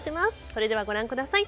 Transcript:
それでは、ご覧ください。